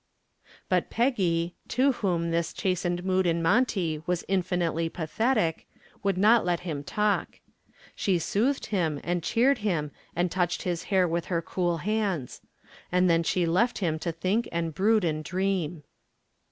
But Peggy, to whom this chastened mood in Monty was infinitely pathetic, would not let him talk. She soothed him and cheered him and touched his hair with her cool hands. And then she left him to think and brood and dream.